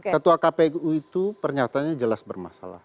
ketua kpu itu pernyatanya jelas bermasalah